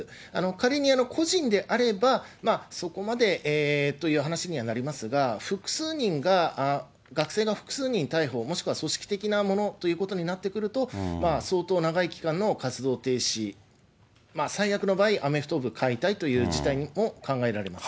仮に個人であれば、そこまでという話にはなりますが、複数人が、学生の複数人逮捕、もしくは組織的なものということになってくると、相当長い期間の活動停止、最悪の場合、アメフト部解体という事態にも考えられます。